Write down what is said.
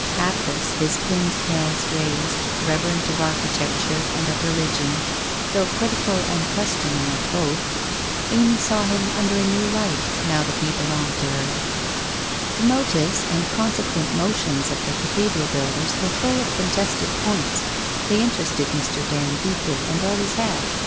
Hatless, his pince nez raised, reverent of architecture and of religion, though critical and questioning of both, Amy saw him under a new light, now that he belonged to her. The motives 261 262 WHITE ROSE OF WEARY LEAF and consequent motions of the cathedral builders were full of contested points. They interested Mr. Dand deeply and always had.